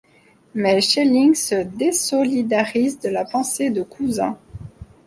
Mais Schelling se désolidarise de la pensée de Cousin.